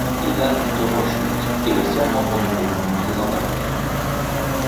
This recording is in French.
Ivan Doroschuk est le seul membre du groupe présent dans le clip.